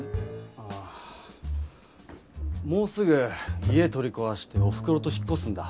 ああもうすぐ家取りこわしておふくろと引っこすんだ。